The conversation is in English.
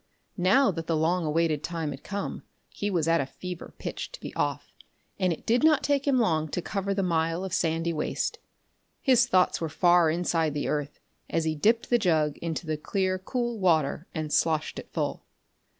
Now that the long awaited time had come, he was at fever pitch to be off, and it did not take him long to cover the mile of sandy waste. His thoughts were far inside the earth as he dipped the jug into the clear cool water and sloshed it full.